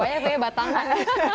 banyak ya batangan